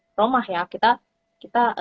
promah ya kita